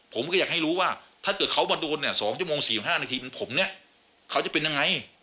ผมก็อยากให้รู้ว่าถ้าเกิดเขามาโดนเนี่ย๒ชั่วโมง๔๕นาทีเป็นผมเนี่ยเขาจะเป็นยังไง